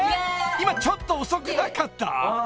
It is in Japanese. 今ちょっと遅くなかった？］